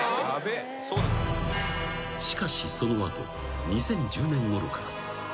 ［しかしその後２０１０年ごろから］